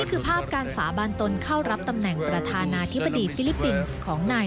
ภาพการสาบานตนเข้ารับตำแหน่งประธานาธิบดีฟิลิปปินส์ของนาย